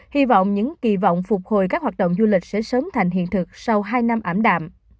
hy vọng những kỳ vọng phục hồi các hoạt động du lịch sẽ sớm thành hiện thực sau hai năm ảm đạm